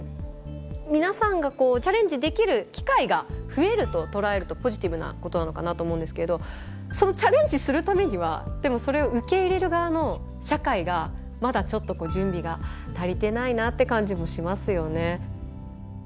皆さんがチャレンジできる機会が増えると捉えるとポジティブなことなのかなと思うんですけれどそのチャレンジするためにはでもそれを受け入れる側の社会がまだちょっと準備が足りてないなって感じもしますよね。